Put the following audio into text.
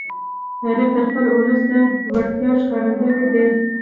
تاریخ د خپل ولس د وړتیاو ښکارندوی دی.